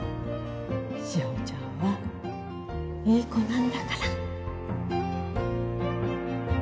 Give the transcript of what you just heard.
志保ちゃんはいい子なんだから。